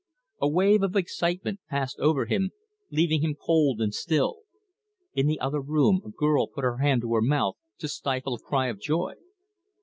A wave of excitement passed over him, leaving him cold and still. In the other room a girl put her hand to her mouth to stifle a cry of joy.